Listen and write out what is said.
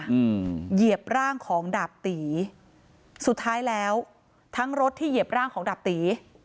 เหยียบร่างของดาบตีสุดท้ายแล้วทั้งรถที่เหยียบร่างของดาบตี